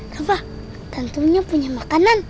rafa tantunya punya makanan